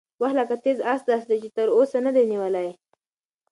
وخت لکه تېز اس داسې دی چې چا تر اوسه نه دی نیولی.